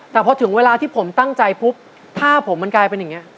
แต่พอถึงเวลาที่ผมตั้งใจปุ๊บถ้าผมมันกลายเป็นอย่างนี้